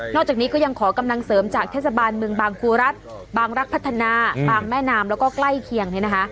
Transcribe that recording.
จากนี้ก็ยังขอกำลังเสริมจากเทศบาลเมืองบางครูรัฐบางรักพัฒนาบางแม่นามแล้วก็ใกล้เคียง